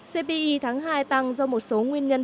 cpi tháng hai tăng do một số nguyên nhân